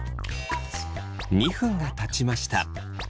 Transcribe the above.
２分がたちました。